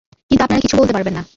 কিন্তু আপনারা কিছু বলতে পারবেন না।